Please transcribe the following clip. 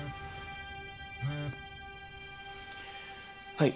はい。